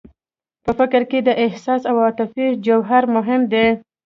په فکر کې د احساس او عاطفې جوهر مهم دی.